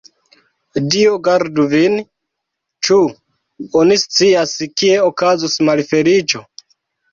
Dio gardu vin, ĉu oni scias, kie okazos malfeliĉo?